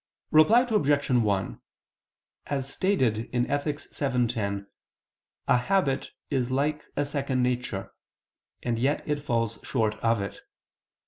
Reply Obj. 1: As stated in Ethic. vii, 10, a habit is like a second nature, and yet it falls short of it.